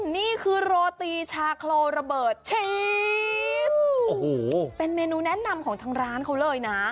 นี่คือโรตีชาโคร่ระเบิดชีสเป็นเมนูแนะนำของทั้งร้านเขาเลยน่ะ